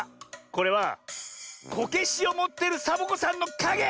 これはこけしをもってるサボ子さんのかげ！